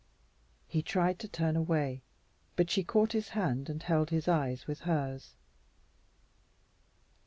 He tried to turn away, but she caught his hand and held his eyes with hers.